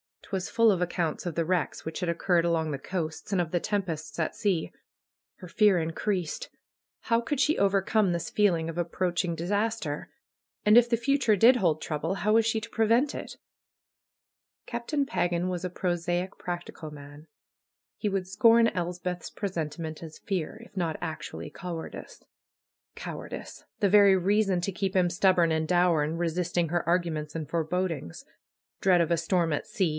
Twas full of accounts of the wrecks which had occurred along the coasts, and of the tempests at sea. Her fear increased. How could she overcome this feeling of approaching disaster? And if the future did hold trouble, how was she to prevent it? Captain Pagan was a prosaic, practical man. He would scorn Elspeth's presentiment as fear; if not actually cowardice. Cowardice ! The very reason to keep him stubborn and dour in resisting her arguments and forebodings. Dread of a storm at sea